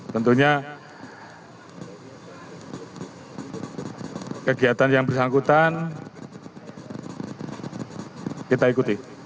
tentunya kegiatan yang bersangkutan kita ikuti